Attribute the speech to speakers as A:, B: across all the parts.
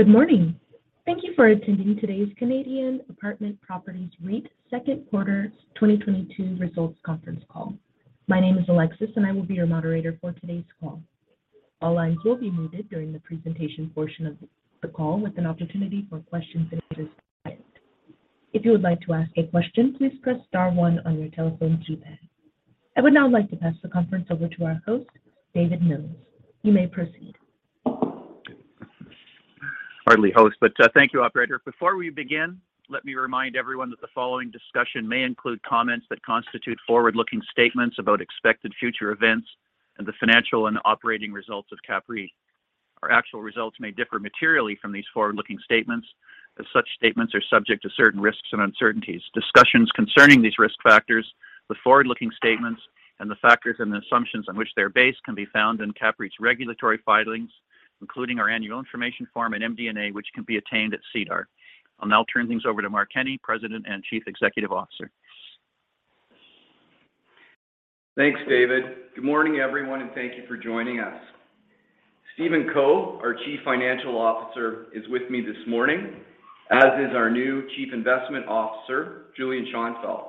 A: Good morning. Thank you for attending today's Canadian Apartment Properties REIT second quarter 2022 results conference call. My name is Alexis, and I will be your moderator for today's call. All lines will be muted during the presentation portion of the call with an opportunity for questions at the end. If you would like to ask a question, please press star one on your telephone keypad. I would now like to pass the conference over to our host, David Mills. You may proceed.
B: Thank you, operator. Before we begin, let me remind everyone that the following discussion may include comments that constitute forward-looking statements about expected future events and the financial and operating results of CAPREIT. Our actual results may differ materially from these forward-looking statements, as such statements are subject to certain risks and uncertainties. Discussions concerning these risk factors with forward-looking statements and the factors and assumptions on which they're based can be found in CAPREIT's regulatory filings, including our annual information form and MD&A, which can be obtained at SEDAR. I'll now turn things over to Mark Kenney, President and Chief Executive Officer.
C: Thanks, David. Good morning, everyone, and thank you for joining us. Stephen Co, our Chief Financial Officer, is with me this morning, as is our new Chief Investment Officer, Julian Schonfeldt.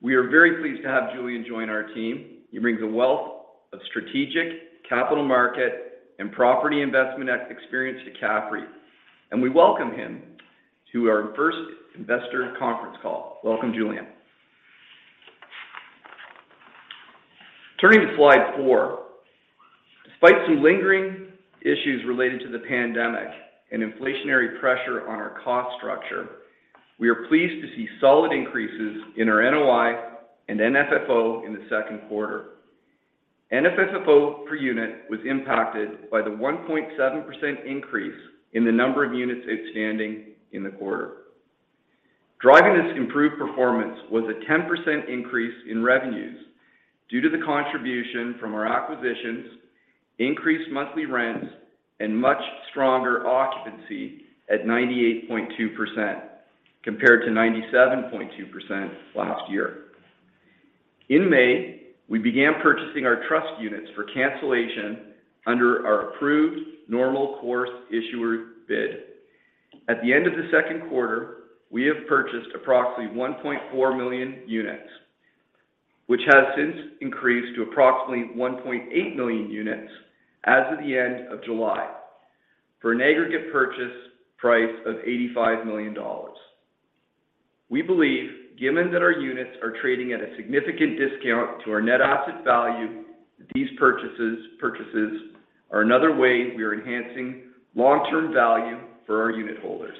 C: We are very pleased to have Julian join our team. He brings a wealth of strategic, capital market, and property investment experience to CAPREIT, and we welcome him to our first investor conference call. Welcome, Julian. Turning to slide four. Despite some lingering issues related to the pandemic and inflationary pressure on our cost structure, we are pleased to see solid increases in our NOI and FFO in the second quarter. FFO per unit was impacted by the 1.7% increase in the number of units outstanding in the quarter. Driving this improved performance was a 10% increase in revenues due to the contribution from our acquisitions, increased monthly rents, and much stronger occupancy at 98.2% compared to 97.2% last year. In May, we began purchasing our trust units for cancellation under our approved normal course issuer bid. At the end of the second quarter, we have purchased approximately 1.4 million units, which has since increased to approximately 1.8 million units as of the end of July for an aggregate purchase price of $85 million. We believe, given that our units are trading at a significant discount to our net asset value, these purchases are another way we are enhancing long-term value for our unitholders.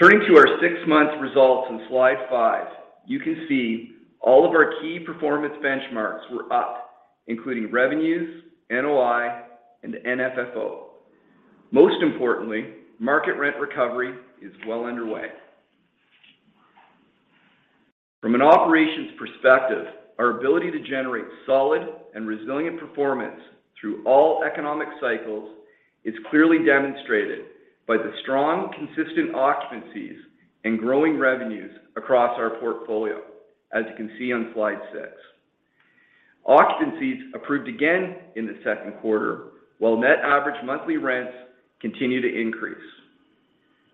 C: Turning to our six-month results on slide five, you can see all of our key performance benchmarks were up, including revenues, NOI, and FFO. Most importantly, market rent recovery is well underway. From an operations perspective, our ability to generate solid and resilient performance through all economic cycles is clearly demonstrated by the strong, consistent occupancies and growing revenues across our portfolio, as you can see on slide six. Occupancies improved again in the second quarter, while net average monthly rents continue to increase.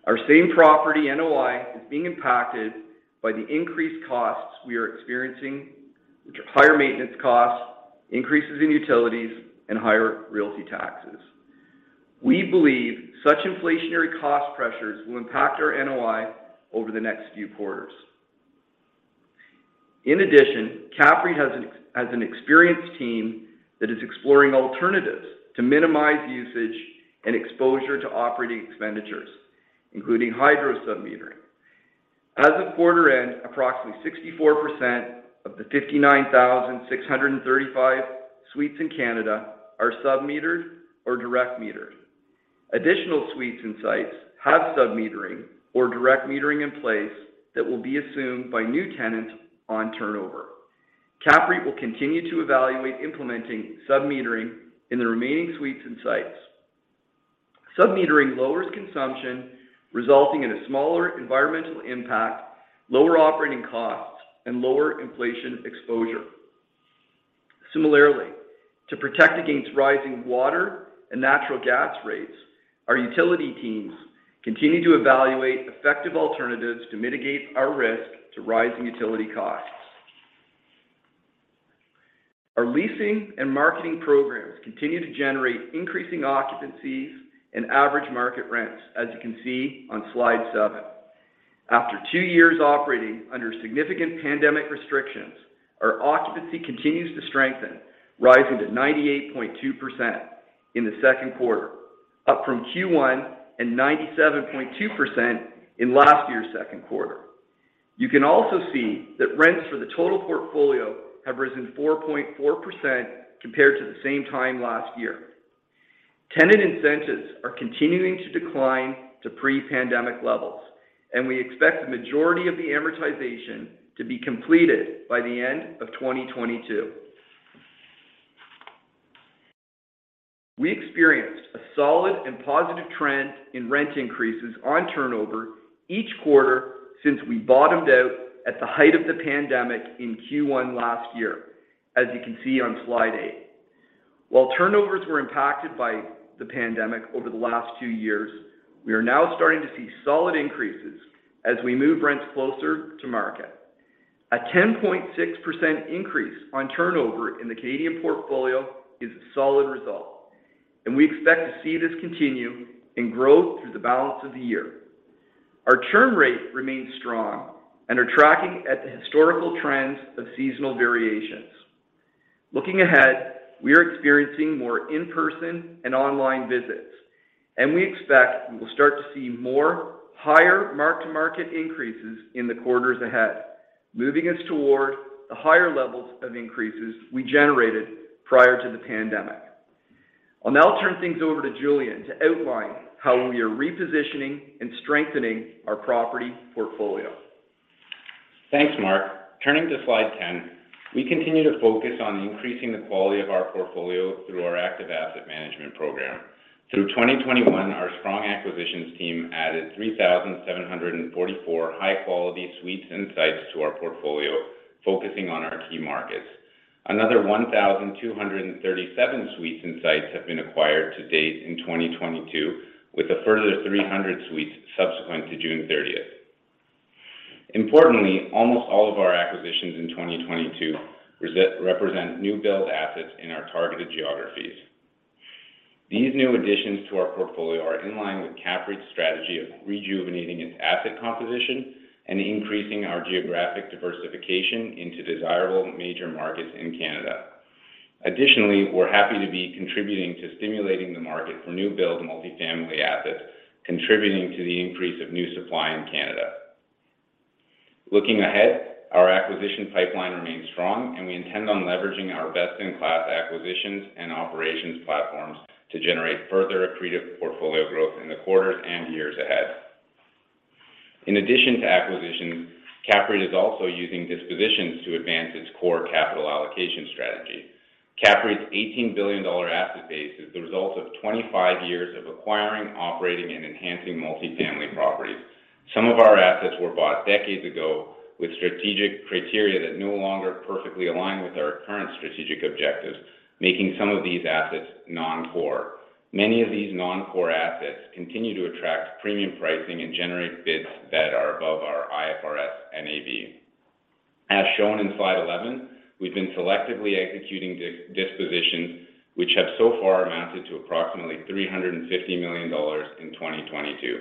C: Our same property NOI is being impacted by the increased costs we are experiencing, which are higher maintenance costs, increases in utilities, and higher real estate taxes. We believe such inflationary cost pressures will impact our NOI over the next few quarters. In addition, CAPREIT has an experienced team that is exploring alternatives to minimize usage and exposure to operating expenditures, including hydro submetering. As of quarter end, approximately 64% of the 59,635 suites in Canada are submetered or direct metered. Additional suites and sites have submetering or direct metering in place that will be assumed by new tenants on turnover. CAPREIT will continue to evaluate implementing submetering in the remaining suites and sites. Submetering lowers consumption, resulting in a smaller environmental impact, lower operating costs, and lower inflation exposure. Similarly, to protect against rising water and natural gas rates, our utility teams continue to evaluate effective alternatives to mitigate our risk to rising utility costs. Our leasing and marketing programs continue to generate increasing occupancies and average market rents, as you can see on slide seven. After two years operating under significant pandemic restrictions, our occupancy continues to strengthen, rising to 98.2% in the second quarter, up from Q1 and 97.2% in last year's second quarter. You can also see that rents for the total portfolio have risen 4.4% compared to the same time last year. Tenant incentives are continuing to decline to pre-pandemic levels, and we expect the majority of the amortization to be completed by the end of 2022. We experienced a solid and positive trend in rent increases on turnover each quarter since we bottomed out at the height of the pandemic in Q1 last year, as you can see on slide eight. While turnovers were impacted by the pandemic over the last two years, we are now starting to see solid increases as we move rents closer to market. A 10.6% increase on turnover in the Canadian portfolio is a solid result, and we expect to see this continue and grow through the balance of the year. Our churn rate remains strong and are tracking at the historical trends of seasonal variations. Looking ahead, we are experiencing more in-person and online visits, and we expect we will start to see more higher mark-to-market increases in the quarters ahead, moving us towards the higher levels of increases we generated prior to the pandemic. I'll now turn things over to Julian to outline how we are repositioning and strengthening our property portfolio.
D: Thanks, Mark. Turning to slide 10, we continue to focus on increasing the quality of our portfolio through our active asset management program. Through 2021, our strong acquisitions team added 3,744 high-quality suites and sites to our portfolio, focusing on our key markets. Another 1,237 suites and sites have been acquired to date in 2022, with a further 300 suites subsequent to June 30th. Importantly, almost all of our acquisitions in 2022 represent new build assets in our targeted geographies. These new additions to our portfolio are in line with CAPREIT's strategy of rejuvenating its asset composition and increasing our geographic diversification into desirable major markets in Canada. Additionally, we're happy to be contributing to stimulating the market for new build multi-family assets, contributing to the increase of new supply in Canada. Looking ahead, our acquisition pipeline remains strong, and we intend on leveraging our best-in-class acquisitions and operations platforms to generate further accretive portfolio growth in the quarters and years ahead. In addition to acquisitions, CAPREIT is also using dispositions to advance its core capital allocation strategy. CAPREIT's 18 billion dollar asset base is the result of 25 years of acquiring, operating, and enhancing multi-family properties. Some of our assets were bought decades ago with strategic criteria that no longer perfectly align with our current strategic objectives, making some of these assets non-core. Many of these non-core assets continue to attract premium pricing and generate bids that are above our IFRS NAV. As shown in slide 11, we've been selectively executing dispositions which have so far amounted to approximately 350 million dollars in 2022.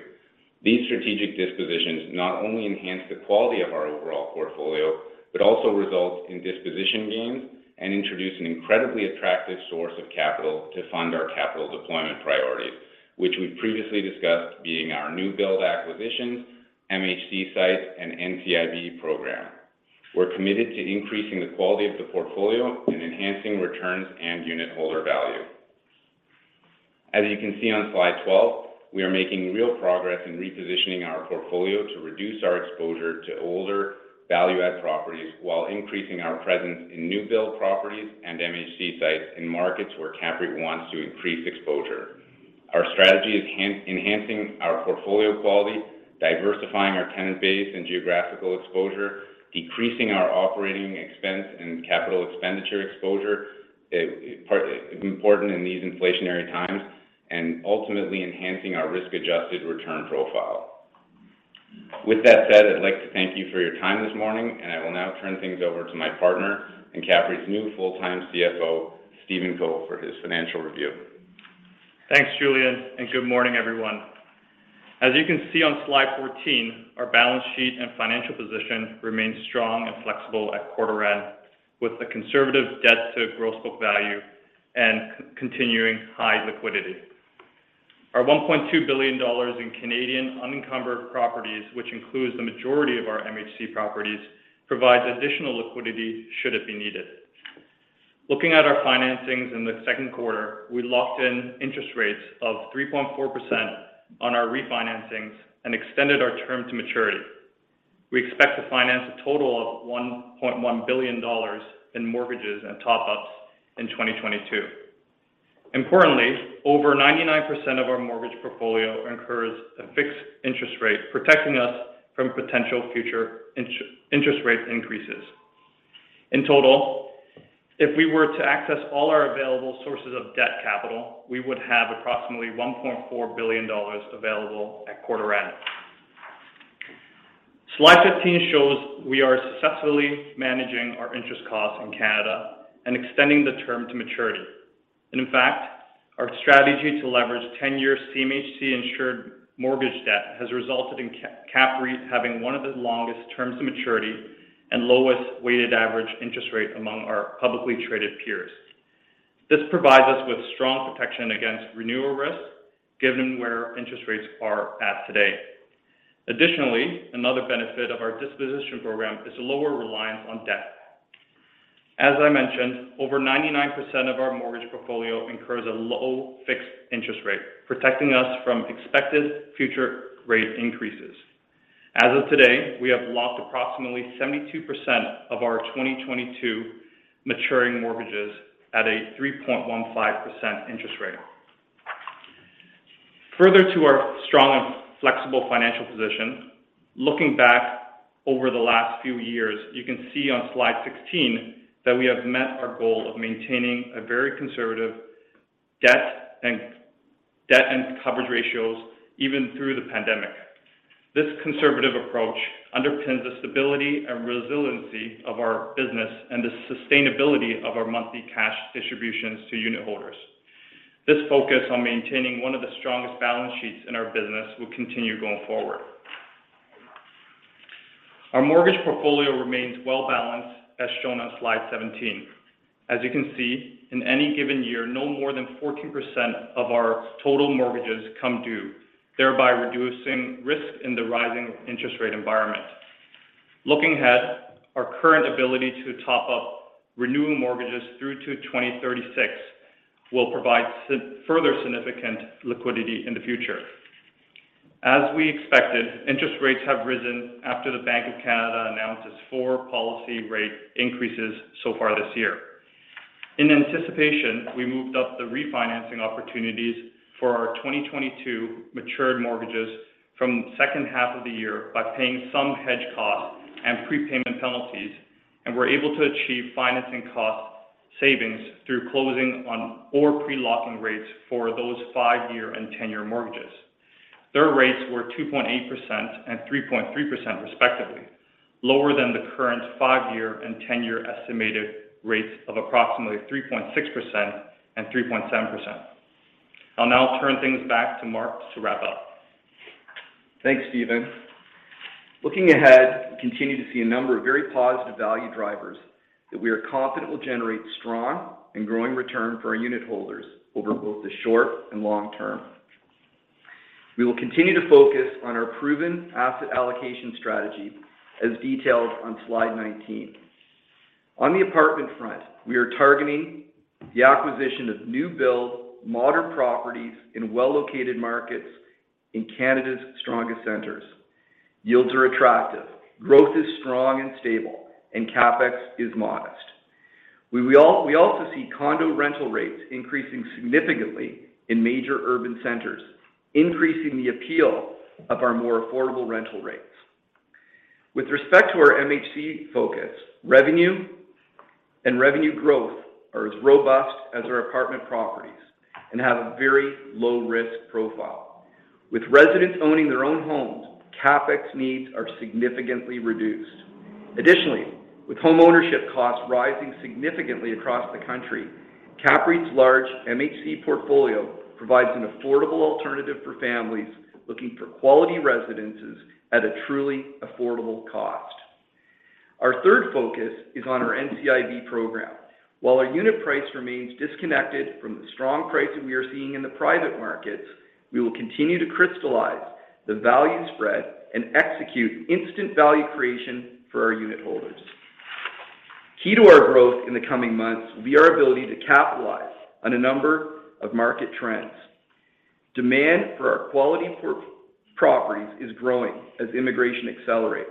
D: These strategic dispositions not only enhance the quality of our overall portfolio, but also result in disposition gains and introduce an incredibly attractive source of capital to fund our capital deployment priorities, which we previously discussed being our new build acquisitions, MHC sites, and NCIB program. We're committed to increasing the quality of the portfolio and enhancing returns and unitholder value. As you can see on slide 12, we are making real progress in repositioning our portfolio to reduce our exposure to older value-add properties while increasing our presence in new build properties and MHC sites in markets where CAPREIT wants to increase exposure. Our strategy is enhancing our portfolio quality, diversifying our tenant base and geographical exposure, decreasing our operating expense and capital expenditure exposure, important in these inflationary times, and ultimately enhancing our risk-adjusted return profile. With that said, I'd like to thank you for your time this morning, and I will now turn things over to my partner and CAPREIT's new full-time CFO, Stephen Co, for his financial review.
E: Thanks, Julian, and good morning, everyone. As you can see on slide 14, our balance sheet and financial position remains strong and flexible at quarter end, with a conservative debt to gross book value and continuing high liquidity. Our 1.2 billion dollars in Canadian unencumbered properties, which includes the majority of our MHC properties, provides additional liquidity should it be needed. Looking at our financings in the second quarter, we locked in interest rates of 3.4% on our refinancings and extended our term to maturity. We expect to finance a total of 1.1 billion dollars in mortgages and top-ups in 2022. Importantly, over 99% of our mortgage portfolio incurs a fixed interest rate, protecting us from potential future interest rate increases. In total, if we were to access all our available sources of debt capital, we would have approximately 1.4 billion dollars available at quarter end. Slide 15 shows we are successfully managing our interest costs in Canada and extending the term to maturity. In fact, our strategy to leverage ten-year CMHC-insured mortgage debt has resulted in CAPREIT having one of the longest terms to maturity and lowest weighted average interest rate among our publicly traded peers. This provides us with strong protection against renewal risk given where interest rates are at today. Additionally, another benefit of our disposition program is a lower reliance on debt. As I mentioned, over 99% of our mortgage portfolio incurs a low fixed interest rate, protecting us from expected future rate increases. As of today, we have locked approximately 72% of our 2022 maturing mortgages at a 3.15% interest rate. Further to our strong and flexible financial position, looking back over the last few years, you can see on slide 16 that we have met our goal of maintaining a very conservative debt and coverage ratios even through the pandemic. This conservative approach underpins the stability and resiliency of our business and the sustainability of our monthly cash distributions to unitholders. This focus on maintaining one of the strongest balance sheets in our business will continue going forward. Our mortgage portfolio remains well-balanced, as shown on slide 17. As you can see, in any given year, no more than 14% of our total mortgages come due, thereby reducing risk in the rising interest rate environment. Looking ahead, our current ability to top up renewing mortgages through to 2036 will provide further significant liquidity in the future. As we expected, interest rates have risen after the Bank of Canada announced its four policy rate increases so far this year. In anticipation, we moved up the refinancing opportunities for our 2022 matured mortgages from second half of the year by paying some hedge costs and prepayment penalties, and were able to achieve financing cost savings through closing on or pre-locking rates for those five-year and ten-year mortgages. Their rates were 2.8% and 3.3% respectively, lower than the current five-year and ten-year estimated rates of approximately 3.6% and 3.7%. I'll now turn things back to Mark to wrap up.
C: Thanks, Stephen. Looking ahead, we continue to see a number of very positive value drivers that we are confident will generate strong and growing return for our unitholders over both the short and long term. We will continue to focus on our proven asset allocation strategy as detailed on slide 19. On the apartment front, we are targeting the acquisition of new build, modern properties in well-located markets in Canada's strongest centers. Yields are attractive, growth is strong and stable, and CapEx is modest. We also see condo rental rates increasing significantly in major urban centers, increasing the appeal of our more affordable rental rates. With respect to our MHC focus, revenue and revenue growth are as robust as our apartment properties and have a very low risk profile. With residents owning their own homes, CapEx needs are significantly reduced. Additionally, with home ownership costs rising significantly across the country, CAPREIT's large MHC portfolio provides an affordable alternative for families looking for quality residences at a truly affordable cost. Our third focus is on our NCIB program. While our unit price remains disconnected from the strong pricing we are seeing in the private markets, we will continue to crystallize the value spread and execute instant value creation for our unitholders. Key to our growth in the coming months will be our ability to capitalize on a number of market trends. Demand for our quality properties is growing as immigration accelerates,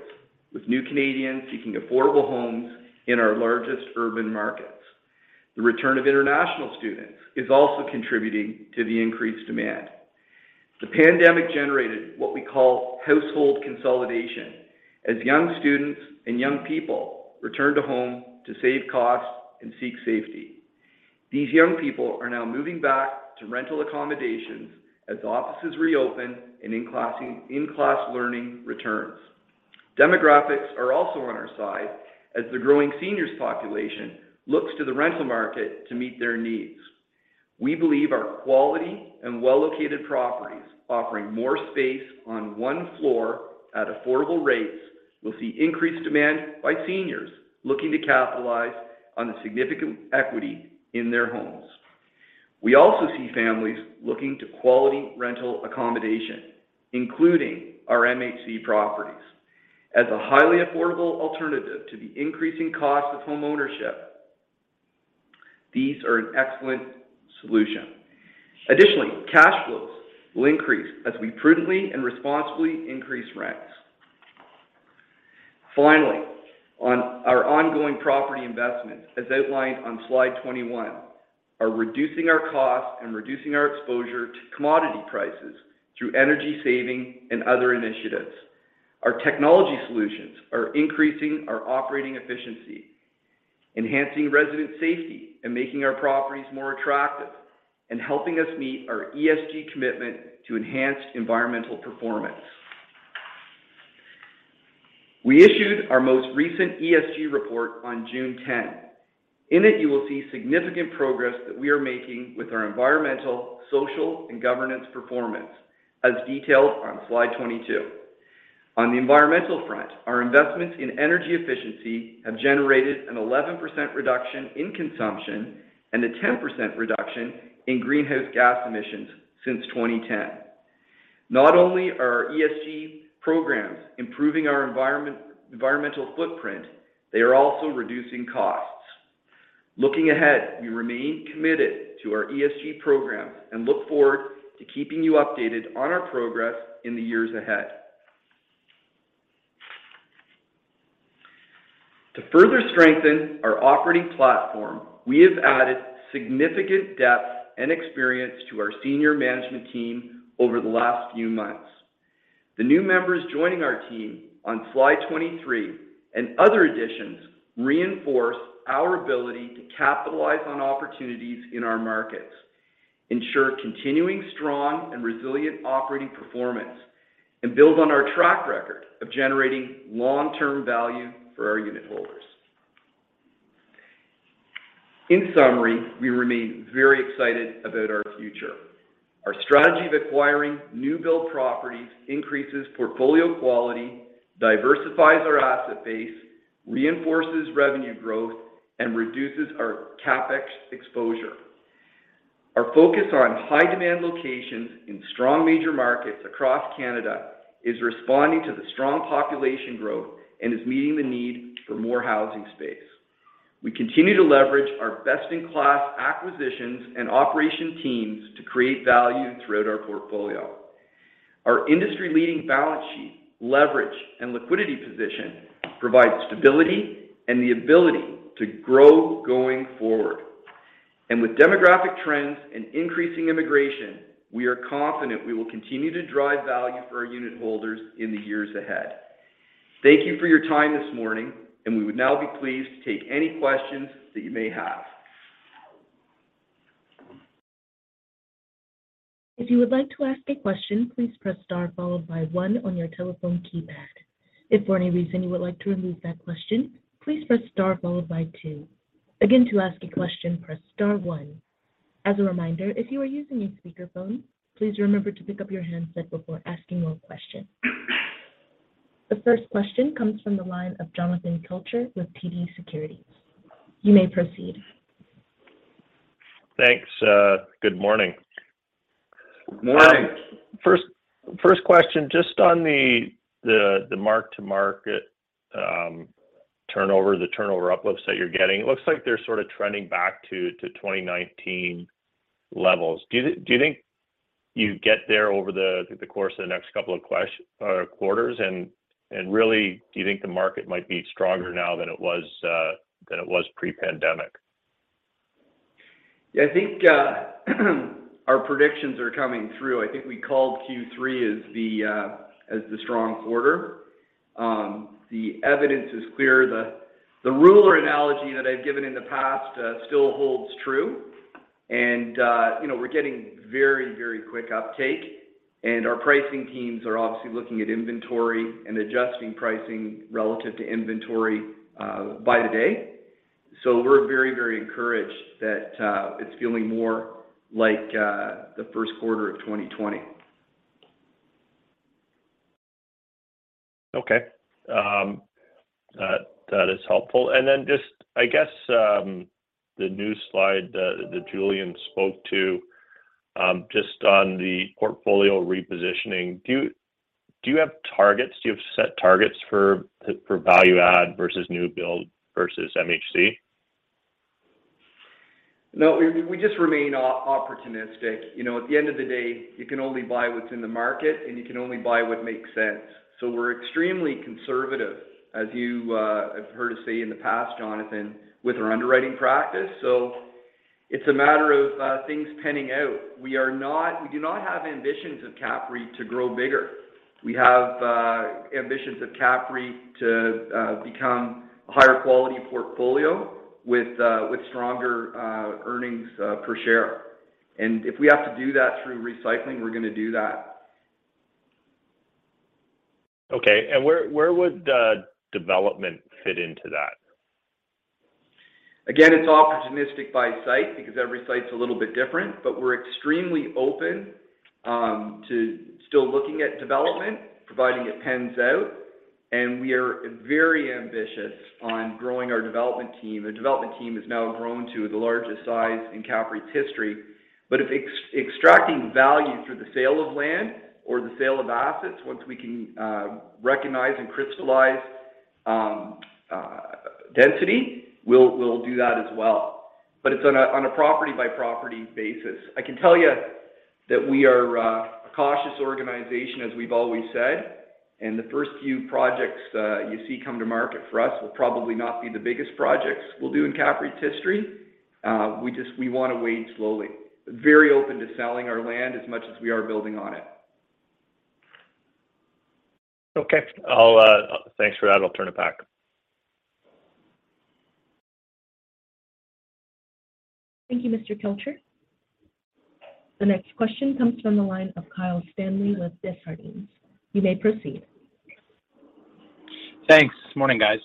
C: with new Canadians seeking affordable homes in our largest urban markets. The return of international students is also contributing to the increased demand. The pandemic generated what we call household consolidation as young students and young people returned to home to save costs and seek safety. These young people are now moving back to rental accommodations as offices reopen and in-class learning returns. Demographics are also on our side as the growing seniors population looks to the rental market to meet their needs. We believe our quality and well-located properties offering more space on one floor at affordable rates will see increased demand by seniors looking to capitalize on the significant equity in their homes. We also see families looking to quality rental accommodation, including our MHC properties. As a highly affordable alternative to the increasing cost of home ownership, these are an excellent solution. Additionally, cash flows will increase as we prudently and responsibly increase rents. Finally, on our ongoing property investments, as outlined on slide 21, are reducing our costs and reducing our exposure to commodity prices through energy saving and other initiatives. Our technology solutions are increasing our operating efficiency, enhancing resident safety, and making our properties more attractive, and helping us meet our ESG commitment to enhance environmental performance. We issued our most recent ESG report on June 10. In it, you will see significant progress that we are making with our environmental, social, and governance performance, as detailed on slide 22. On the environmental front, our investments in energy efficiency have generated an 11% reduction in consumption and a 10% reduction in greenhouse gas emissions since 2010. Not only are our ESG programs improving our environmental footprint, they are also reducing costs. Looking ahead, we remain committed to our ESG programs and look forward to keeping you updated on our progress in the years ahead. To further strengthen our operating platform, we have added significant depth and experience to our senior management team over the last few months. The new members joining our team on slide 23 and other additions reinforce our ability to capitalize on opportunities in our markets, ensure continuing strong and resilient operating performance, and build on our track record of generating long-term value for our unitholders. In summary, we remain very excited about our future. Our strategy of acquiring new build properties increases portfolio quality, diversifies our asset base, reinforces revenue growth, and reduces our CapEx exposure. Our focus on high-demand locations in strong major markets across Canada is responding to the strong population growth and is meeting the need for more housing space. We continue to leverage our best-in-class acquisitions and operations teams to create value throughout our portfolio. Our industry-leading balance sheet, leverage, and liquidity position provide stability and the ability to grow going forward. With demographic trends and increasing immigration, we are confident we will continue to drive value for our unitholders in the years ahead. Thank you for your time this morning, and we would now be pleased to take any questions that you may have.
A: If you would like to ask a question, please press star followed by one on your telephone keypad. If for any reason, you would like to remove that question, please press star followed by two. Again, to ask a question, press star one. As a reminder, if you are using a speakerphone, please remember to pick up your handset before asking your question. The first question comes from the line of Jonathan Kelcher with TD Securities. You may proceed.
F: Thanks. Good morning.
C: Morning.
F: First question, just on the mark-to-market turnover, the turnover uplifts that you're getting. It looks like they're sort of trending back to 2019 levels. Do you think you get there over the course of the next couple of quarters? Really, do you think the market might be stronger now than it was pre-pandemic?
C: Yeah, I think our predictions are coming through. I think we called Q3 as the strong quarter. The evidence is clear. The ruler analogy that I've given in the past still holds true. You know, we're getting very, very quick uptake, and our pricing teams are obviously looking at inventory and adjusting pricing relative to inventory by the day. We're very, very encouraged that it's feeling more like the first quarter of 2020.
F: Okay. That is helpful. Just I guess, the new slide that Julian spoke to, just on the portfolio repositioning, do you have targets? Do you have set targets for value add versus new build versus MHC?
C: No, we just remain opportunistic. You know, at the end of the day, you can only buy what's in the market, and you can only buy what makes sense. We're extremely conservative, as you have heard us say in the past, Jonathan, with our underwriting practice. It's a matter of things panning out. We do not have ambitions at CAPREIT to grow bigger. We have ambitions at CAPREIT to become a higher-quality portfolio with stronger earnings per share. If we have to do that through recycling, we're gonna do that.
F: Okay. Where would development fit into that?
C: Again, it's opportunistic by site because every site's a little bit different. We're extremely open to still looking at development, providing it pans out. We are very ambitious on growing our development team. The development team has now grown to the largest size in CAPREIT's history. If extracting value through the sale of land or the sale of assets, once we can recognize and crystallize density, we'll do that as well. It's on a property-by-property basis. I can tell you that we are a cautious organization, as we've always said, and the first few projects you see come to market for us will probably not be the biggest projects we'll do in CAPREIT's history. We wanna wade slowly. Very open to selling our land as much as we are building on it.
F: Okay. Thanks for that. I'll turn it back.
A: Thank you, Mr. Kelcher. The next question comes from the line of Kyle Stanley with Desjardins. You may proceed.
G: Thanks. Morning, guys.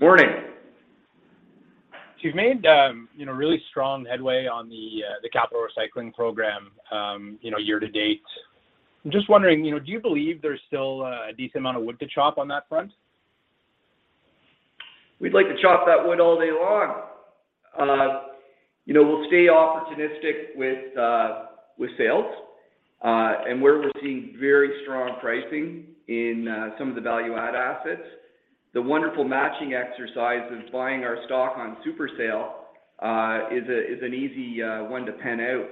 C: Morning.
G: You've made, you know, really strong headway on the capital recycling program, you know, year to date. I'm just wondering, you know, do you believe there's still a decent amount of wood to chop on that front?
C: We'd like to chop that wood all day long. You know, we'll stay opportunistic with sales, and where we're seeing very strong pricing in some of the value add assets. The wonderful matching exercise of buying our stock on super sale is an easy one to pan out.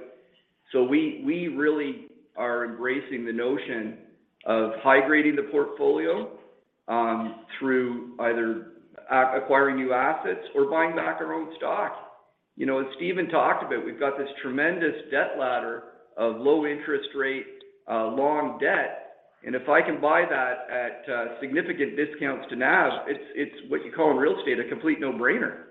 C: We really are embracing the notion of hydrating the portfolio through either acquiring new assets or buying back our own stock. You know, as Stephen talked about, we've got this tremendous debt ladder of low interest rate long debt. If I can buy that at significant discounts to NAV, it's what you call in real estate a complete no-brainer.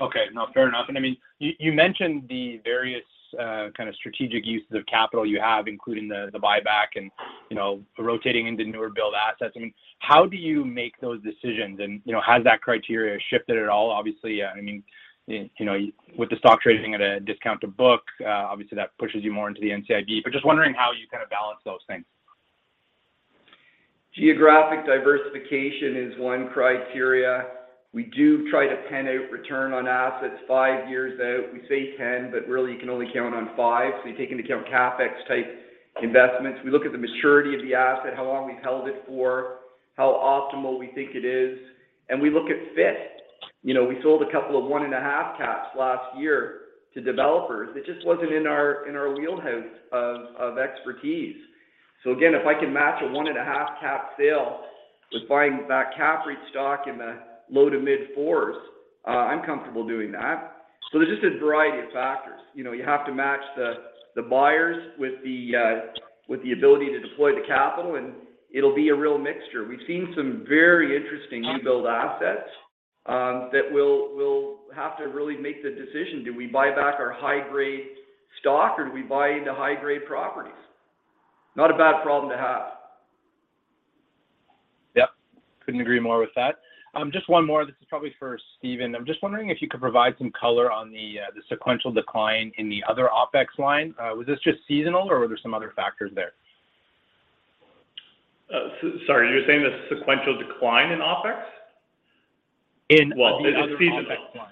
G: Okay. No, fair enough. I mean, you mentioned the various kind of strategic uses of capital you have, including the buyback and, you know, rotating into newer build assets. I mean, how do you make those decisions? You know, has that criteria shifted at all? Obviously, I mean, you know, with the stock trading at a discount to book, obviously, that pushes you more into the NCIB. Just wondering how you kind of balance those things.
C: Geographic diversification is one criterion. We do try to pencil out return on assets five years out. We say 10, but really, you can only count on five, so you take into account CapEx-type investments. We look at the maturity of the asset, how long we've held it for, how optimal we think it is, and we look at fit. You know, we sold a couple of one-and-a-half caps last year to developers. It just wasn't in our wheelhouse of expertise. Again, if I can match one-and-a-half cap sale with buying back CAPREIT stock in the low to mid fours, I'm comfortable doing that. There's just a variety of factors. You know, you have to match the buyers with the ability to deploy the capital, and it'll be a real mixture. We've seen some very interesting new build assets that we'll have to really make the decision. Do we buy back our high-grade stock or do we buy into high-grade properties? Not a bad problem to have.
G: Yep. Couldn't agree more with that. Just one more. This is probably for Stephen. I'm just wondering if you could provide some color on the sequential decline in the other OpEx line. Was this just seasonal or were there some other factors there?
E: Sorry, you were saying the sequential decline in OpEx?
G: In the other OpEx line.
E: Well, it's seasonal.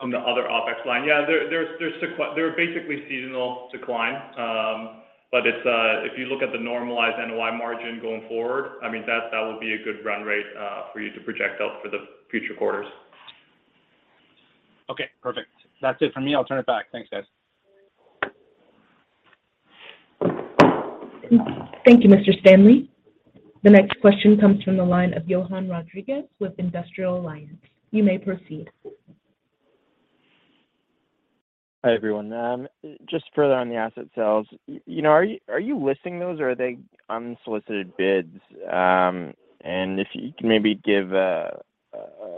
E: On the other OpEx line. Yeah. They're basically seasonal decline. It's if you look at the normalized NOI margin going forward, I mean, that would be a good run rate for you to project out for the future quarters.
G: Okay, perfect. That's it for me. I'll turn it back. Thanks, guys.
A: Thank you, Mr. Stanley. The next question comes from the line of Jonathan Rodriguez with Industrial Alliance. You may proceed.
H: Hi, everyone. Just further on the asset sales. You know, are you listing those or are they unsolicited bids? If you can maybe give a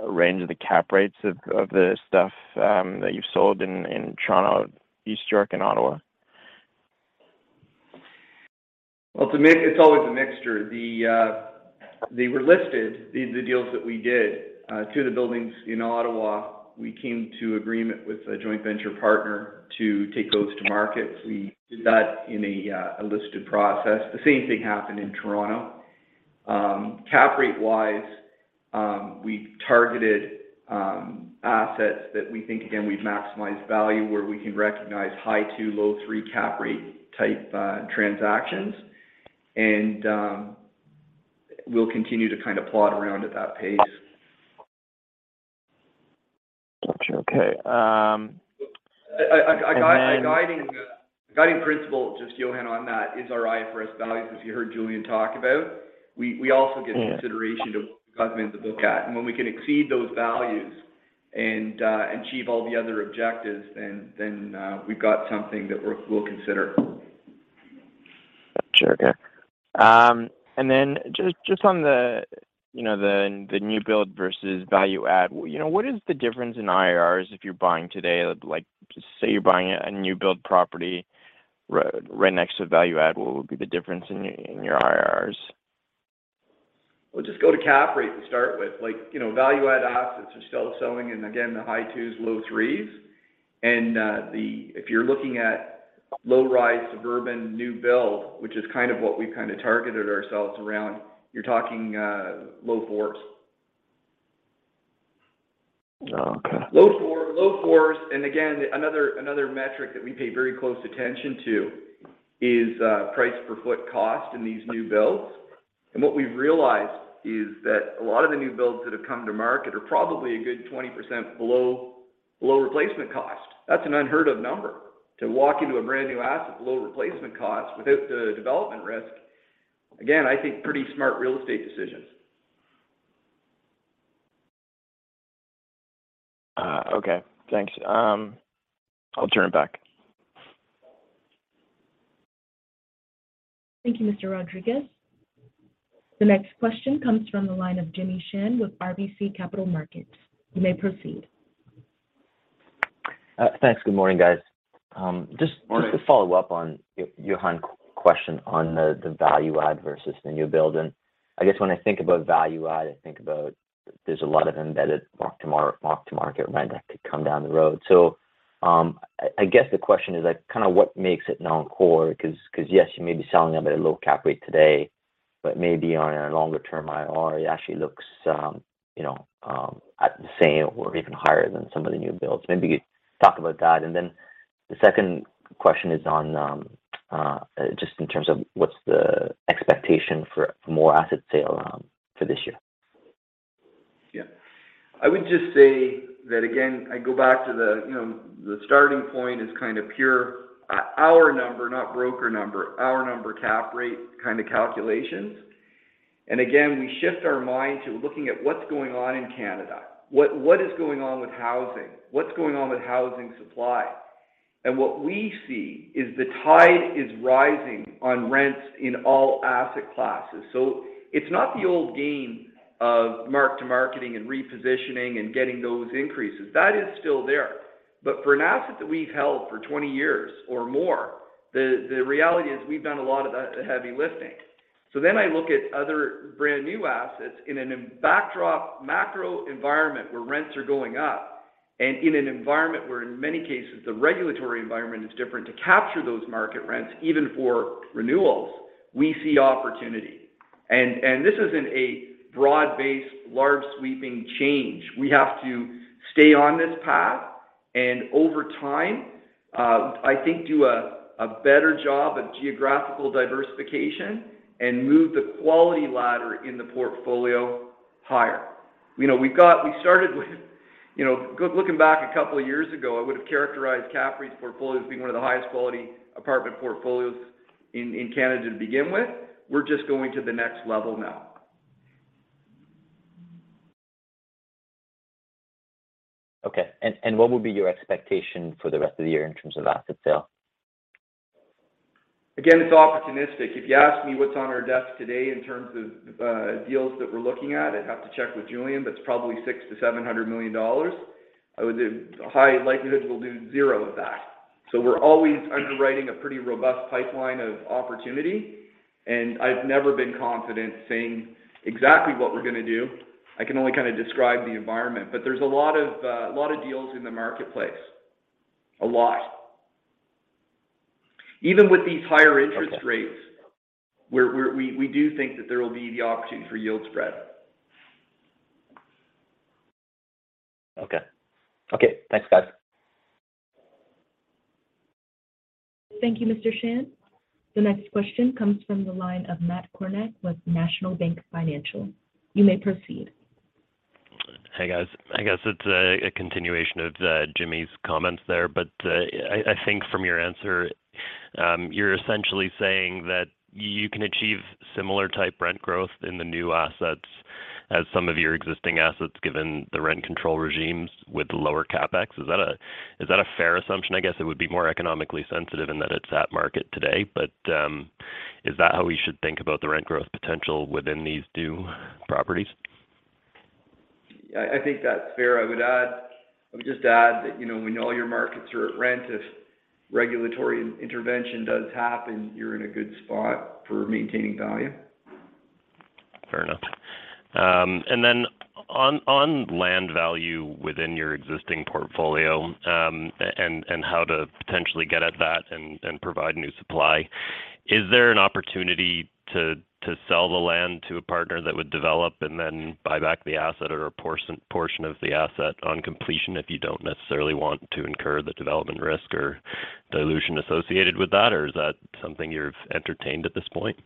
H: range of the cap rates of the stuff that you've sold in Toronto, East York, and Ottawa.
C: Well, to me, it's always a mixture. They were listed, the deals that we did. Two of the buildings in Ottawa, we came to agreement with a joint venture partner to take those to market. We did that in a listed process. The same thing happened in Toronto. Cap rate-wise, we targeted assets that we think, again, we've maximized value where we can recognize high twos, low threes cap rate type transactions. We'll continue to kind of plot around at that pace.
H: Got you. Okay.
C: A guiding principle, just as Jonathan, on that is our IFRS values, as you heard Julian talk about.
H: Yeah.
C: We also give consideration to what the customers look at. When we can exceed those values and achieve all the other objectives, then we've got something that we'll consider.
H: Got you. Okay. Just on the, you know, the new build versus value-add. You know, what is the difference in IRRs if you're buying today? Like, say you're buying a new build property right next to a value add. What would be the difference in your IRRs?
C: Well, just go to cap rate to start with. Like, you know, value-add assets are still selling in, again, the high twos, low threes. If you're looking at low-rise suburban new build, which is kind of what we've kind of targeted ourselves around, you're talking low fours.
H: Oh, okay.
C: Low four, low fours. Another metric that we pay very close attention to is price per foot cost in these new builds. What we've realized is that a lot of the new builds that have come to market are probably a good 20% below replacement cost. That's an unheard-of number to walk into a brand new asset below replacement cost without the development risk. I think pretty smart real estate decisions.
H: Okay, thanks. I'll turn it back.
A: Thank you, Mr. Rodriguez. The next question comes from the line of Jimmy Shan with RBC Capital Markets. You may proceed.
I: Thanks. Good morning, guys.
C: Morning.
I: Just to follow up on Jonathan's question on the value-add versus the new build. I guess when I think about value add, I think about there's a lot of embedded mark-to-market rent that could come down the road. I guess the question is, like kind of what makes it non-core? 'Cause yes, you may be selling them at a low cap rate today, but maybe on a longer-term IRR it actually looks, you know, at the same or even higher than some of the new builds. Maybe you could talk about that. Then the second question is on just in terms of what's the expectation for more asset sale for this year?
C: Yeah. I would just say that again. I go back to the, you know, the starting point is kind of pure our number, not broker number, our number cap rate kind of calculations. Again, we shift our mind to looking at what's going on in Canada. What is going on with housing? What's going on with housing supply? What we see is the tide is rising on rents in all asset classes. It's not the old game of mark-to-market and repositioning and getting those increases. That is still there. For an asset that we've held for 20 years or more, the reality is we've done a lot of the heavy lifting. I look at other brand new assets in a backdrop macro environment where rents are going up, and in an environment where in many cases, the regulatory environment is different, to capture those market rents, even for renewals, we see opportunity. This isn't a broad-based, large sweeping change. We have to stay on this path, and over time, I think do a better job of geographical diversification and move the quality ladder in the portfolio higher. We started with, looking back a couple of years ago, I would have characterized CAPREIT's portfolios being one of the highest quality apartment portfolios in Canada to begin with. We're just going to the next level now.
I: Okay. What would be your expectation for the rest of the year in terms of asset sales?
C: Again, it's opportunistic. If you ask me what's on our desk today in terms of deals that we're looking at, I'd have to check with Julian, but it's probably 600-700 million dollars. A high likelihood we'll do zero of that. We're always underwriting a pretty robust pipeline of opportunity, and I've never been confident saying exactly what we're gonna do. I can only kind of describe the environment. There's a lot of lot of deals in the marketplace. A lot. Even with these higher interest rates.
I: Okay
C: We do think that there will be the opportunity for yield spread.
I: Okay. Okay. Thanks, guys.
A: Thank you, Mr. Shan. The next question comes from the line of Matt Kornack with National Bank Financial. You may proceed.
J: Hey, guys. I guess it's a continuation of Jimmy Shan's comments there. I think from your answer, you're essentially saying that you can achieve similar type rent growth in the new assets as some of your existing assets, given the rent control regimes with lower CapEx. Is that a fair assumption? I guess it would be more economically sensitive in that it's at market today. Is that how we should think about the rent growth potential within these new properties?
C: Yeah. I think that's fair. I would just add that, you know, when all your markets are at rent, if regulatory intervention does happen, you're in a good spot for maintaining value.
J: Fair enough. On land value within your existing portfolio, and how to potentially get at that and provide new supply. Is there an opportunity to sell the land to a partner that would develop and then buy back the asset or a portion of the asset on completion if you don't necessarily want to incur the development risk or dilution associated with that? Or is that something you've entertained at this point?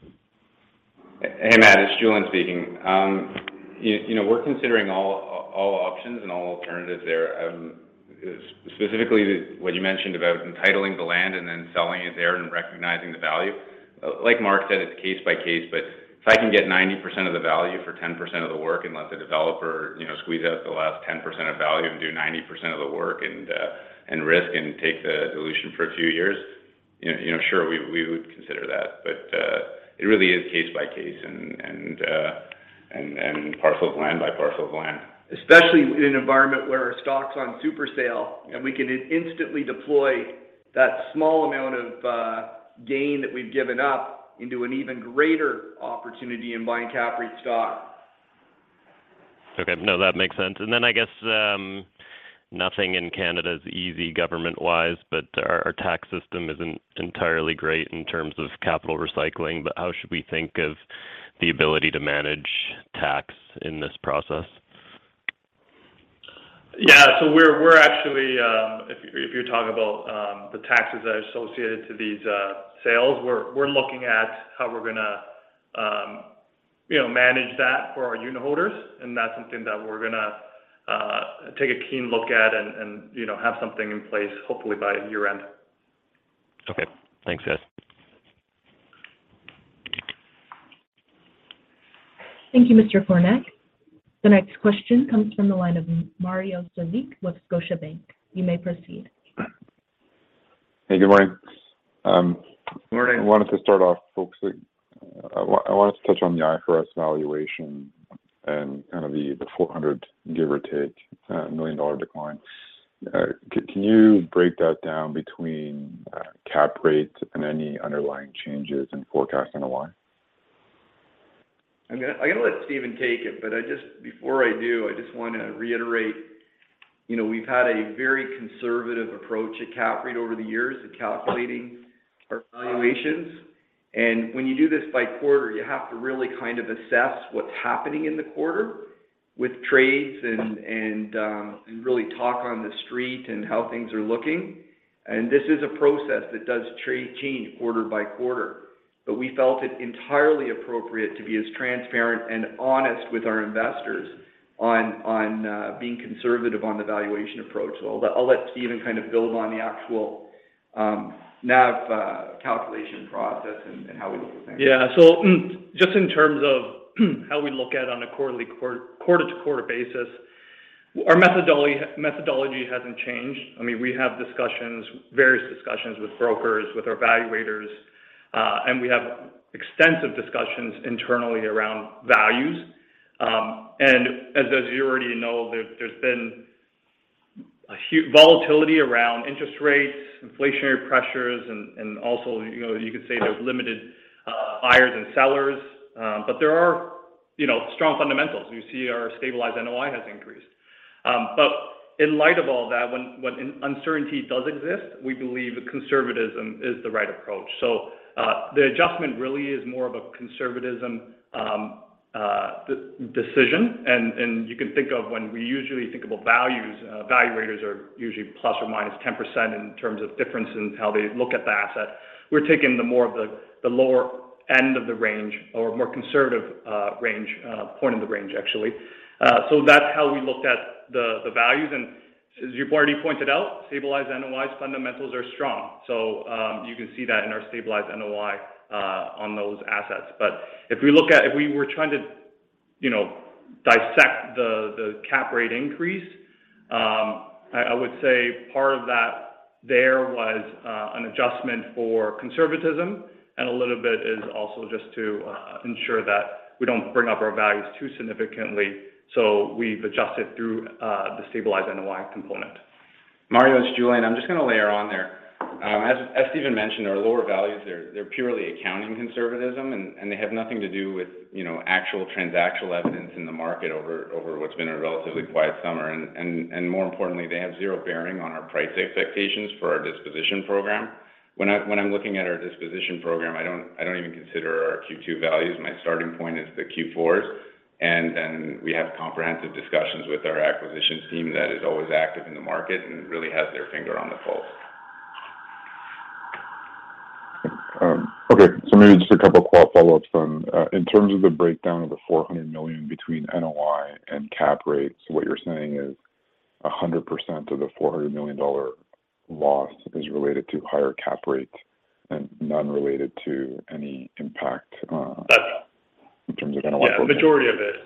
D: Hey, Matt, it's Julian Schonfeldt speaking. You know, we're considering all options and all alternatives there. Specifically, what you mentioned about entitling the land and then selling it there and recognizing the value. Like Mark Kenney said, it's case by case, but if I can get 90% of the value for 10% of the work and let the developer, you know, squeeze out the last 10% of value and do 90% of the work and risk and take the dilution for a few years, you know, sure, we would consider that. It really is case by case and parcel of land by parcel of land.
C: Especially in an environment where our stock's on super sale, and we can instantly deploy that small amount of gain that we've given up into an even greater opportunity in buying CAPREIT stock.
J: Okay. No, that makes sense. I guess, nothing in Canada is easy government-wise, but our tax system isn't entirely great in terms of capital recycling. How should we think of the ability to manage tax in this process?
C: Yeah. We're actually, if you're talking about the taxes that are associated to these sales, we're looking at how we're gonna, you know, manage that for our unitholders, and that's something that we're gonna take a keen look at and, you know, have something in place, hopefully by year-end.
J: Okay. Thanks, guys.
A: Thank you, Mr. Kornack. The next question comes from the line of Mario Saric with Scotiabank. You may proceed.
K: Hey, good morning.
C: Good morning.
K: I wanted to touch on the IFRS valuation and kind of the 400 million, give or take, decline. Can you break that down between cap rates and any underlying changes in forecast NOI?
C: I'm gonna let Stephen take it, but I just, before I do, I just wanna reiterate, you know, we've had a very conservative approach at CAPREIT over the years in calculating our valuations. When you do this by quarter, you have to really kind of assess what's happening in the quarter with trades and really talk on the street and how things are looking. This is a process that does change quarter by quarter. We felt it entirely appropriate to be as transparent and honest with our investors on being conservative on the valuation approach. I'll let Stephen kind of build on the actual NAV calculation process and how we look at things.
E: Yeah. Just in terms of how we look at it on a quarter-to-quarter basis, our methodology hasn't changed. I mean, we have discussions, various discussions with brokers, with our valuators, and we have extensive discussions internally around values. As you already know, there's been a huge volatility around interest rates, inflationary pressures, and also, you know, you could say there's limited buyers and sellers. There are, you know, strong fundamentals. We see our stabilized NOI has increased. In light of all that, when uncertainty does exist, we believe conservatism is the right approach. The adjustment really is more of a conservatism decision. You can think of when we usually think about values, valuators are usually ±10% in terms of difference in how they look at the asset. We're taking the more of the lower end of the range or more conservative range point in the range, actually. That's how we looked at the values. As you've already pointed out, stabilized NOI's fundamentals are strong. You can see that in our stabilized NOI on those assets. If we were trying to, you know, dissect the cap rate increase, I would say part of that there was an adjustment for conservatism, and a little bit is also just to ensure that we don't bring up our values too significantly. We've adjusted through the stabilized NOI component.
D: Mario, it's Julian. I'm just gonna layer on there. As Stephen mentioned, our lower values they're purely accounting conservatism, and they have nothing to do with, you know, actual transactional evidence in the market over what's been a relatively quiet summer. More importantly, they have zero bearing on our price expectations for our disposition program. When I'm looking at our disposition program, I don't even consider our Q2 values. My starting point is the Q4s, and then we have comprehensive discussions with our acquisitions team that is always active in the market and really has their finger on the pulse.
K: Okay. Maybe just a couple of quick follow-ups then. In terms of the breakdown of the 400 million between NOI and cap rates, what you're saying is 100% of the 400 million dollar loss is related to higher cap rates and none related to any impact.
E: That's-
K: In terms of NOI?
E: Yeah. The majority of it.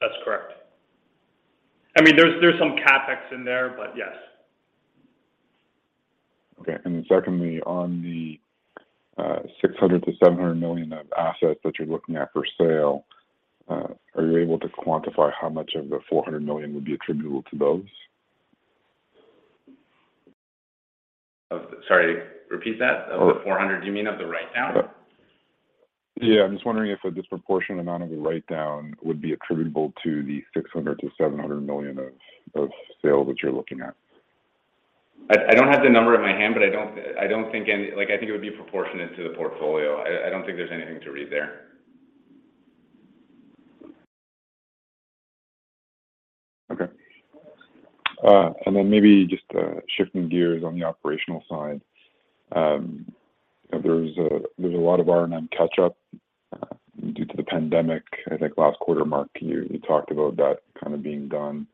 E: That's correct. I mean, there's some CapEx in there, but yes.
K: Okay. Secondly, on the 600 million-700 million of assets that you're looking at for sale, are you able to quantify how much of the 400 million would be attributable to those?
C: Sorry, repeat that. Of the 400, you mean of the write-down?
K: Yeah. I'm just wondering if a disproportionate amount of the write-down would be attributable to the 600 million-700 million of sales that you're looking at.
C: I don't have the number in my hand, but I don't think. Like, I think it would be proportionate to the portfolio. I don't think there's anything to read there.
K: Okay. Maybe just shifting gears on the operational side. There's a lot of R&M catch-up due to the pandemic. I think last quarter, Mark, you talked about that kind of being done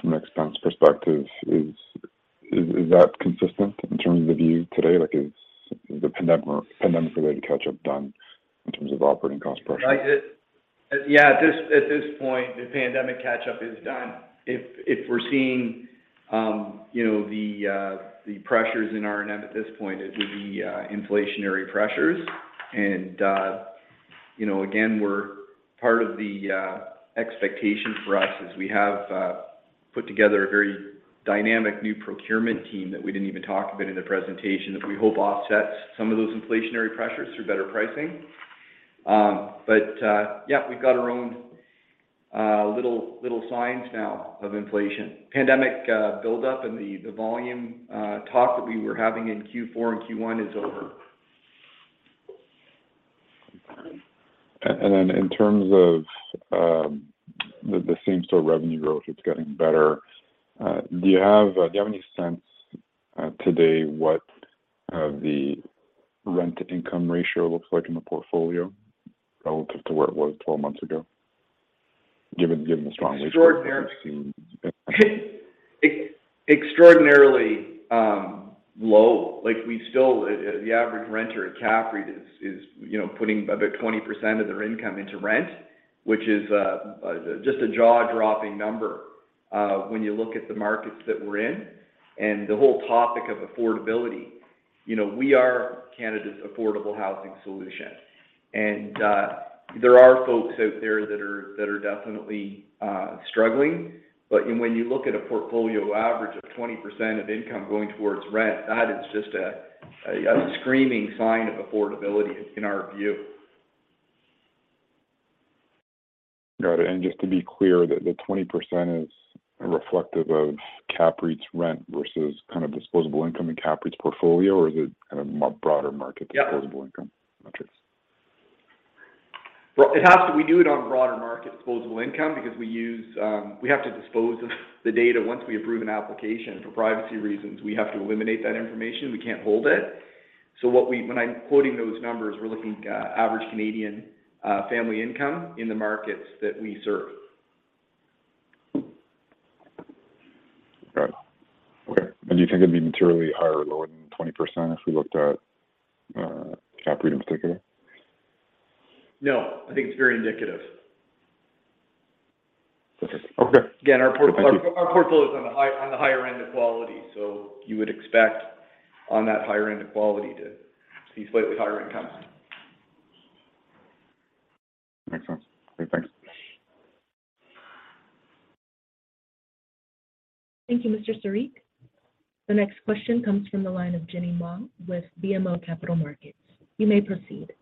K: from an expense perspective. Is that consistent in terms of the view today? Like, is the pandemic-related catch-up done in terms of operating cost pressures?
C: Yeah. At this point, the pandemic catch-up is done. If we're seeing, you know, the pressures in R&M at this point, it would be inflationary pressures. Part of the expectation for us is we have put together a very dynamic new procurement team that we didn't even talk about in the presentation, that we hope offsets some of those inflationary pressures through better pricing. Yeah, we've got our own little signs now of inflation. Pandemic build-up and the volume talk that we were having in Q4 and Q1 is over.
K: In terms of the same-store revenue growth, it's getting better. Do you have any sense today what the rent-to-income ratio looks like in the portfolio relative to where it was 12 months ago, given the strong-
C: Extraordinarily low. Like, the average renter at CAPREIT is, you know, putting about 20% of their income into rent, which is just a jaw-dropping number when you look at the markets that we're in and the whole topic of affordability. You know, we are Canada's affordable housing solution. There are folks out there that are definitely struggling. When you look at a portfolio average of 20% of income going towards rent, that is just a screaming sign of affordability in our view.
K: Got it. Just to be clear, the 20% is reflective of CAPREIT's rent versus kind of disposable income in CAPREIT's portfolio? Or is it kind of more broader market-
C: Yeah.
K: Disposable income metrics?
C: Well, it has to. We do it on broader market disposable income because we use, we have to dispose of the data once we approve an application. For privacy reasons, we have to eliminate that information. We can't hold it. When I'm quoting those numbers, we're looking at average Canadian family income in the markets that we serve.
K: Got it. Okay. Do you think it'd be materially higher or lower than 20% if we looked at CAPREIT in particular?
C: No, I think it's very indicative.
K: Okay.
C: Again, our port-
K: Thank you.
C: Our portfolio is on the higher end of quality. You would expect on that higher end of quality to see slightly higher incomes.
K: Makes sense. Okay, thanks.
A: Thank you, Mr. Saric. The next question comes from the line of Jenny Wong with BMO Capital Markets. You may proceed.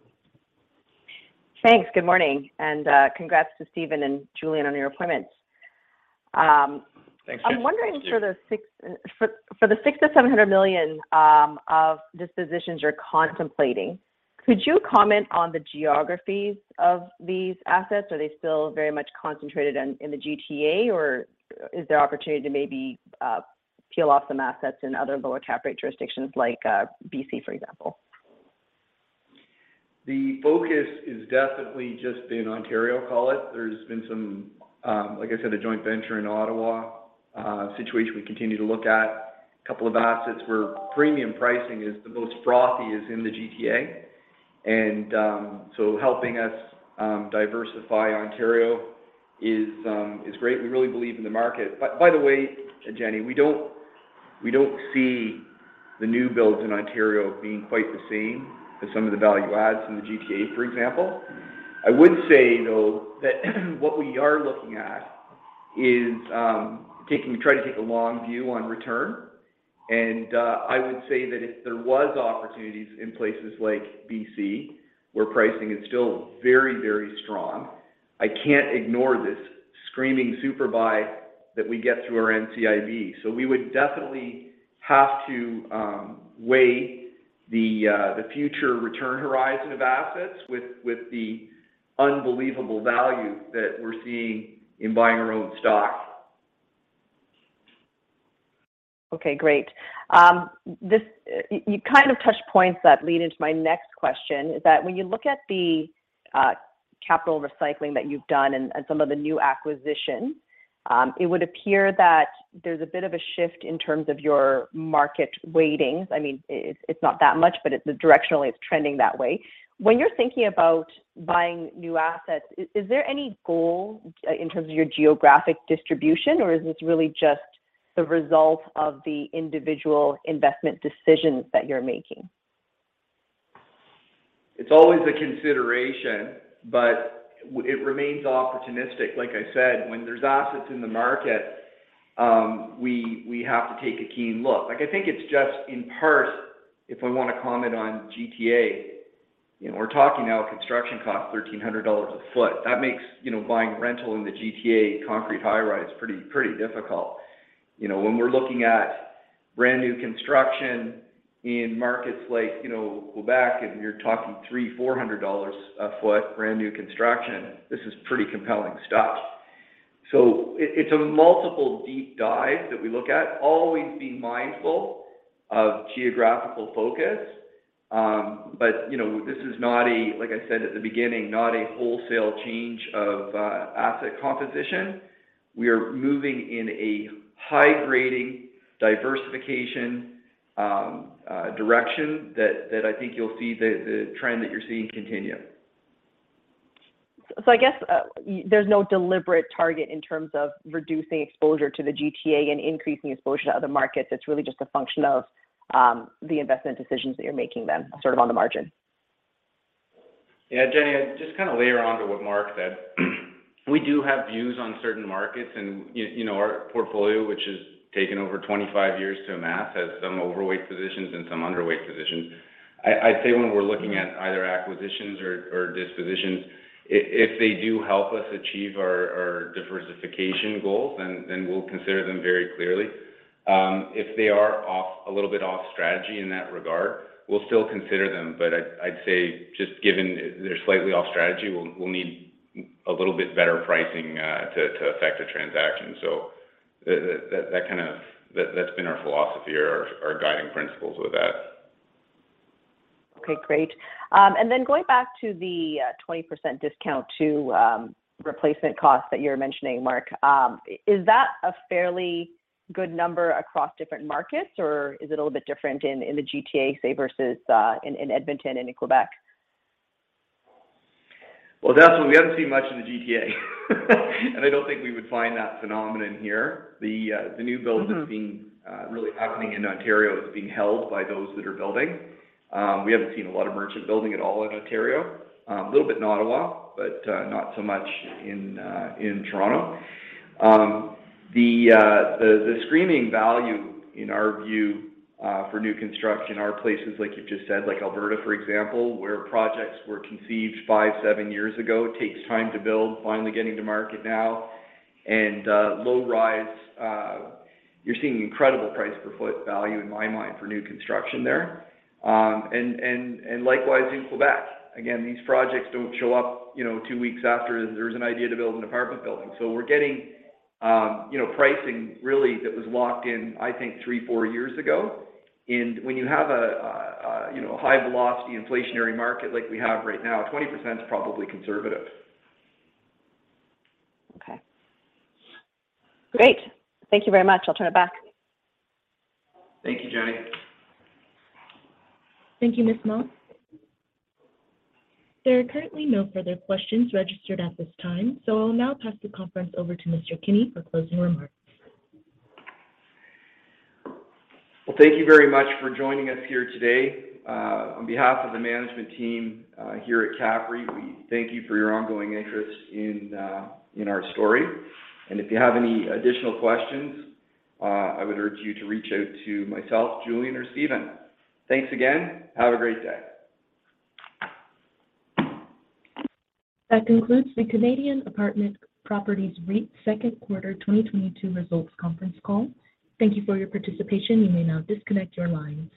L: Thanks. Good morning, congrats to Stephen and Julian on your appointments.
E: Thanks, Jenny.
L: I'm wondering for the 600 million-700 million of dispositions you're contemplating, could you comment on the geographies of these assets? Are they still very much concentrated in the GTA, or is there opportunity to maybe peel off some assets in other lower cap rate jurisdictions like BC, for example?
C: The focus has definitely just been Ontario, call it. There's been some, like I said, a joint venture in Ottawa situation we continue to look at. A couple of assets where premium pricing is the most frothy is in the GTA, and so helping us diversify Ontario is great. We really believe in the market. By the way, Jenny, we don't see the new builds in Ontario being quite the same as some of the value adds in the GTA, for example. I would say, though, that what we are looking at is we try to take a long view on return. I would say that if there was opportunities in places like BC, where pricing is still very, very strong, I can't ignore this screaming super buy that we get through our NCIB. We would definitely have to weigh the future return horizon of assets with the unbelievable value that we're seeing in buying our own stock.
L: Okay, great. You kind of touched points that lead into my next question. Is that when you look at the capital recycling that you've done and some of the new acquisitions, it would appear that there's a bit of a shift in terms of your market weightings. I mean, it's not that much, but directionally, it's trending that way. When you're thinking about buying new assets, is there any goal in terms of your geographic distribution, or is this really just the result of the individual investment decisions that you're making?
C: It's always a consideration, but it remains opportunistic. Like I said, when there's assets in the market, we have to take a keen look. Like, I think it's just in part, if I wanna comment on GTA, you know, we're talking now construction costs 1,300 dollars a foot. That makes, you know, buying rental in the GTA concrete high-rise pretty difficult. You know, when we're looking at brand-new construction in markets like, you know, Quebec, and you're talking 300 dollars- 400 dollars a foot brand-new construction, this is pretty compelling stuff. It's a multiple deep dive that we look at, always being mindful of geographical focus. You know, this is not a, like I said at the beginning, not a wholesale change of asset composition. We are moving in a high-grading diversification direction that I think you'll see the trend that you're seeing continue.
L: I guess, there's no deliberate target in terms of reducing exposure to the GTA and increasing exposure to other markets. It's really just a function of the investment decisions that you're making then, sort of on the margin.
E: Yeah. Jenny, just to kind of layer onto what Mark said, we do have views on certain markets. You know, our portfolio, which has taken over 25 years to amass, has some overweight positions and some underweight positions. I'd say when we're looking at either acquisitions or dispositions, if they do help us achieve our diversification goals, then we'll consider them very clearly. If they are a little bit off strategy in that regard, we'll still consider them. But I'd say just given they're slightly off strategy, we'll need a little bit better pricing to effect a transaction. That's been our philosophy or guiding principles with that.
L: Okay, great. Going back to the 20% discount to replacement costs that you were mentioning, Mark. Is that a fairly good number across different markets, or is it a little bit different in the GTA, say, versus in Edmonton and in Quebec?
C: Well, that's what we haven't seen much in the GTA. I don't think we would find that phenomenon here. The new builds-
L: Mm-hmm
C: That are being really happening in Ontario is being held by those that are building. We haven't seen a lot of merchant building at all in Ontario. A little bit in Ottawa, but not so much in Toronto. The scarcity value in our view for new construction are places like you've just said, like Alberta, for example, where projects were conceived five to seven years ago. It takes time to build, finally getting to market now. Low rise, you're seeing incredible price per foot value in my mind for new construction there. Likewise in Quebec. Again, these projects don't show up, you know, two weeks after there's an idea to build an apartment building. We're getting, you know, pricing really that was locked in, I think, three to four years ago. When you have, you know, a high velocity inflationary market like we have right now, 20% is probably conservative.
L: Okay. Great. Thank you very much. I'll turn it back.
C: Thank you, Jenny.
A: Thank you, Ms. Wong. There are currently no further questions registered at this time, so I'll now pass the conference over to Mr. Kenney for closing remarks.
C: Well, thank you very much for joining us here today. On behalf of the management team, here at CAPREIT, we thank you for your ongoing interest in our story. If you have any additional questions, I would urge you to reach out to myself, Julian, or Stephen. Thanks again. Have a great day.
A: That concludes the Canadian Apartment Properties REIT second quarter 2022 results conference call. Thank you for your participation. You may now disconnect your lines.